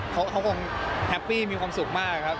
เขาคงแฮปปี้มีความสุขมากครับ